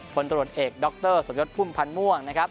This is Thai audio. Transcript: ผลตรวจเอกด็อกเตอร์สวยศพุ่มพันม่วงนะครับ